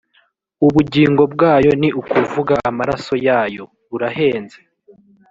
ubugingo bwayo ni ukuvuga amaraso yayo, burahenze